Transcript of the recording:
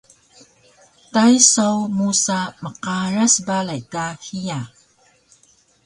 Tay saw musa mqaras balay ka hiya